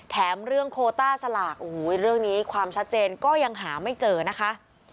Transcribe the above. แถมเรื่องโคต้าสลากโอ้โหเรื่องนี้ความชัดเจนก็ยังหาไม่เจอนะคะ